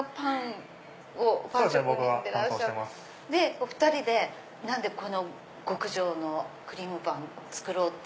お２人で何で極上のクリームパン作ろうって。